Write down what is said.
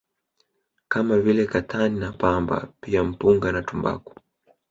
kama vile Katani na Pamba pia Mpunga na tumbaku